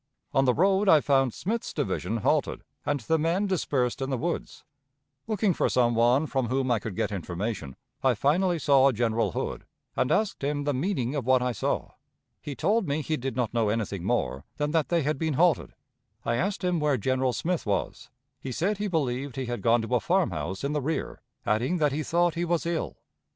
On the road I found Smith's division halted, and the men dispersed in the woods. Looking for some one from whom I could get information, I finally saw General Hood, and asked him the meaning of what I saw. He told me he did not know anything more than that they had been halted. I asked him where General Smith was; he said he believed he had gone to a farmhouse in the rear, adding that he thought he was ill.